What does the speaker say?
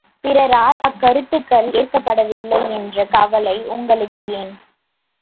பிறரால் அக்கருத்துக்கள் ஏற்கப்படவில்லை என்ற கவலை உங்களுக்கு ஏன்?